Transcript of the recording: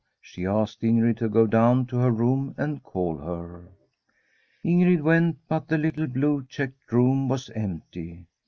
She asked Ingrid to go down to her room and call her. Ingrid went, but the little blue checked room was empty.